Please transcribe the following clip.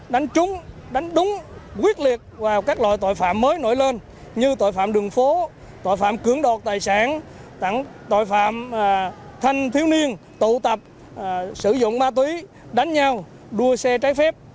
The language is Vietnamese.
đánh trúng đánh đúng quyết liệt vào các loại tội phạm mới nổi lên như tội phạm đường phố tội phạm cưỡng đoạt tài sản tội phạm thanh thiếu niên tụ tập sử dụng ma túy đánh nhau đua xe trái phép